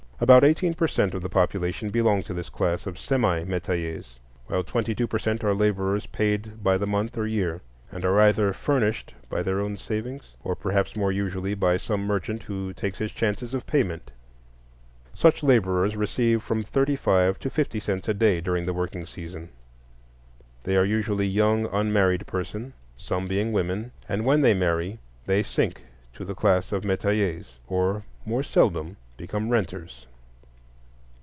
About eighteen per cent of the population belong to this class of semi metayers, while twenty two per cent are laborers paid by the month or year, and are either "furnished" by their own savings or perhaps more usually by some merchant who takes his chances of payment. Such laborers receive from thirty five to fifty cents a day during the working season. They are usually young unmarried persons, some being women; and when they marry they sink to the class of metayers, or, more seldom, become renters.